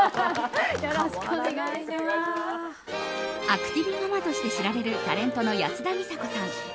アクティブママとして知られるタレントの安田美沙子さん